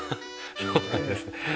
そうなんです。